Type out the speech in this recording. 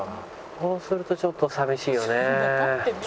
こうするとちょっと寂しいよね。